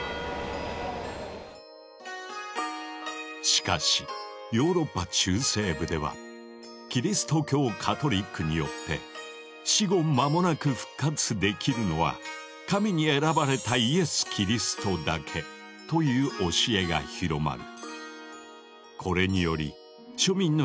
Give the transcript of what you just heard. しかしヨーロッパ中西部ではキリスト教カトリックによって「死後間もなく復活できるのは神に選ばれたイエス・キリストだけ」という教えが広まる。